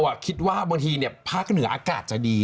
คิดว่าบางทีภาคเหนืออากาศจะดี